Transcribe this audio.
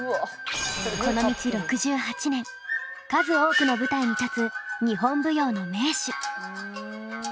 この道６８年数多くの舞台に立つ日本舞踊の名手。